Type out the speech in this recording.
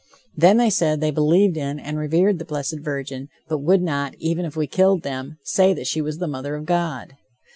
Then they said they believed in and revered the blessed virgin, but would not, even if we killed them, say that she was the mother of God.